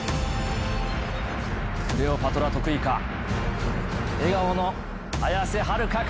クレオパトラ徳井か笑顔の綾瀬はるかか？